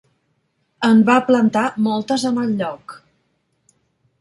En va plantar moltes en el lloc.